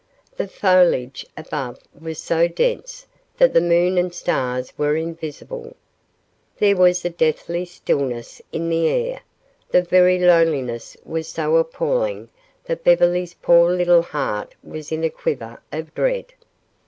The foliage above was so dense that the moon and stars were invisible. There was a deathly stillness in the air. The very loneliness was so appalling that Beverly's poor little heart was in a quiver of dread.